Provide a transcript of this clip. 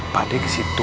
pak lih ke situ